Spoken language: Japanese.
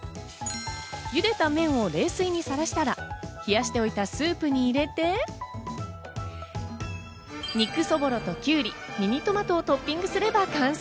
茹でた麺を冷水にさらしたら、冷やしておいたスープに入れて、肉そぼろと、きゅうり、ミニトマトをトッピングすれば完成。